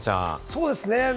そうですね。